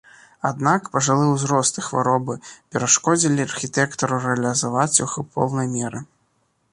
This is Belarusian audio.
Аднак, пажылы ўзрост і хваробы перашкодзілі архітэктару рэалізаваць іх у поўнай меры.